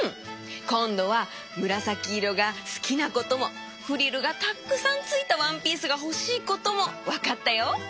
こんどはむらさきいろがすきなこともフリルがたっくさんついたワンピースがほしいこともわかったよ。